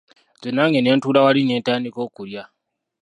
Nze nange ne ntuula wali ne ntandika okulya.